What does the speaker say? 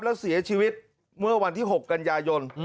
แล้วเสียชีวิตเมื่อวันที่๖กันยายน